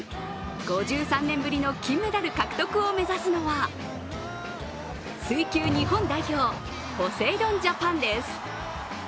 ５３年ぶりの金メダル獲得を目指すのは水球日本代表、ポセイドンジャパンです。